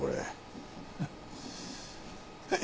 はい。